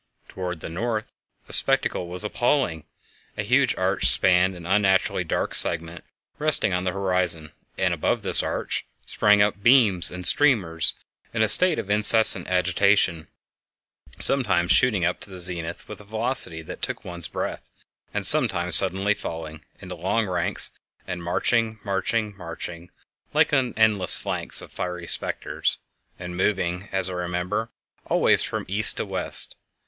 Toward the north the spectacle was appalling. A huge arch spanned an unnaturally dark segment resting on the horizon, and above this arch sprang up beams and streamers in a state of incessant agitation, sometimes shooting up to the zenith with a velocity that took one's breath, and sometimes suddenly falling into long ranks, and marching, marching, marching, like an endless phalanx of fiery specters, and moving, as I remember, always from east to west.